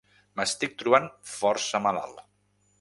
M'estic trobant força malalt.